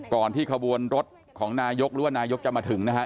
ที่ขบวนรถของนายกหรือว่านายกจะมาถึงนะฮะ